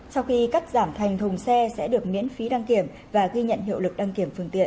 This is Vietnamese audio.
sau khi cắt giảm thành thùng xe sẽ được miễn phí đăng kiểm và ghi nhận hiệu lực đăng kiểm phương tiện